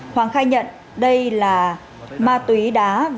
hoàng khai nhận đây là ma túy đá